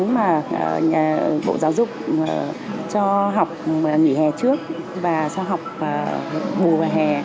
bộ giáo dục cho học nghỉ hè trước và cho học ngủ vào hè